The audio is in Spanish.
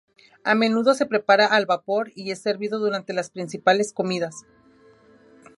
A menudo se prepara al vapor y es servido durante las principales comidas.